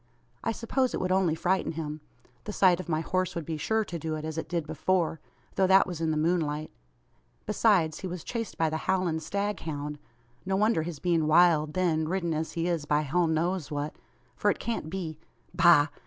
I suppose it would only frighten him! The sight of my horse would be sure to do it, as it did before; though that was in the moonlight. Besides, he was chased by the howling staghound. No wonder his being wild, then, ridden as he is by hell knows what; for it can't be Bah!